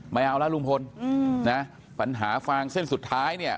ไม่เอาแล้วลุงพลนะปัญหาฟางเส้นสุดท้ายเนี่ย